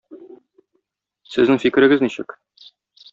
Сезнең фикерегез ничек?